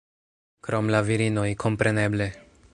Krom la virinoj, kompreneble